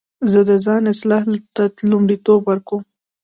زه د ځان اصلاح ته لومړیتوب ورکوم.